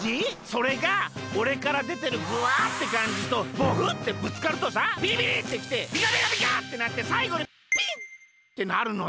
それがおれからでてるぐぁってかんじとボフッてぶつかるとさビリビリってきてビカビカビカってなってさいごにピンッてなるのよ。